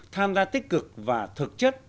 tham gia tích cực và thực chất